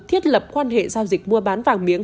thiết lập quan hệ giao dịch mua bán vàng miếng